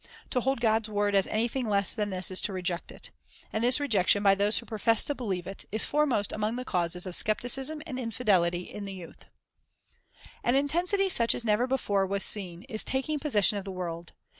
To hold God's word as anything less than this is to reject it. And this rejection by those who profess to believe it, is foremost among the causes of skepticism and infidelity in the youth. Time for Prayer An intensity such as never before was seen is taking possession of the world.